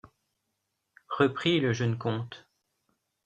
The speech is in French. reprit le jeune comte.